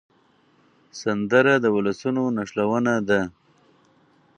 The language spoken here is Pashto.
سندره د ولسونو نښلونه ده